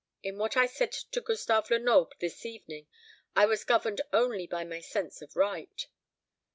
In what I said to Gustave Lenoble this evening, I was governed only by my sense of right."